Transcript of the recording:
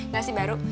gak sih baru